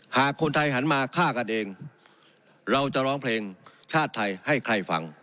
หากคนไทยหันมาฆ่ากันเองเราจะร้องเพลงชาติไทยให้ใครฟัง